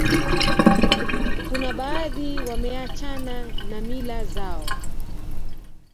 kuna baadhi wameachana na mila zao